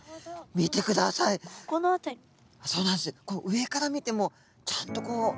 上から見てもちゃんとこう。